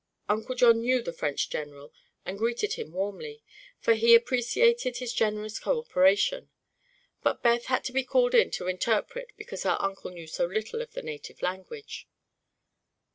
Uncle John knew the French general and greeted him warmly, for he appreciated his generous co operation. But Beth had to be called in to interpret because her uncle knew so little of the native language.